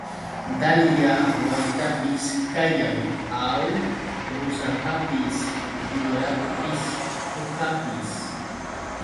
Dalya waytapis kayan, ¿aw? Rusapapis yuraqpis pukapis.